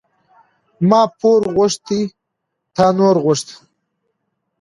ما پور غوښته، تا نور غوښته.